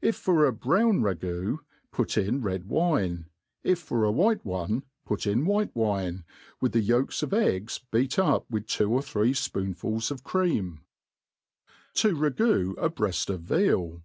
If for a brown ragoo, pu$ in red wine. If for a white one, put in white wine, with th^ yolks of eggs beat up with two or three fpoonfuls of cream* To ragoo a Breajl of \ Veal.